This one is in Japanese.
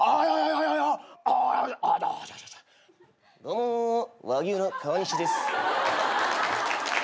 どうも和牛の川西です。